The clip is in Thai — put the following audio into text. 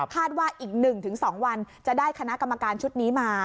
คาดว่าอีกหนึ่งถึงสองวันจะได้คณะกรรมการชุดนี้มา